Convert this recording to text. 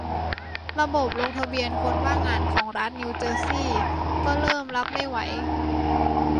ระบบลงทะเบียนคนว่างงานของรัฐนิวเจอร์ซีย์ก็เริ่มรับไม่ไหว